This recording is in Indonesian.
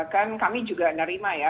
kan kami juga menerima ya